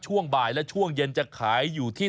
ช่วงบ่ายและช่วงเย็นจะขายอยู่ที่